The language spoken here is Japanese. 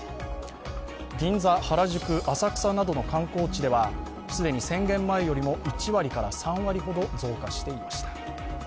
銀座、原宿、浅草などの観光地では既に宣言前よりも１割から３割ほど増加していました。